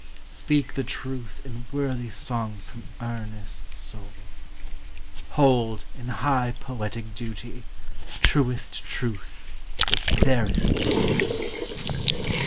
speak the truth in Worthy song from earnest soul ! Hold, in high poetic duty, Truest Truth the fairest Beauty!